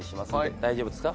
大丈夫ですか？